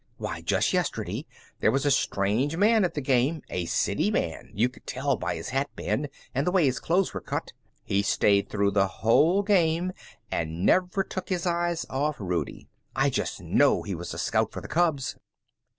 Why just yesterday there was a strange man at the game a city man, you could tell by his hat band, and the way his clothes were cut. He stayed through the whole game, and never took his eyes off Rudie. I just know he was a scout for the Cubs."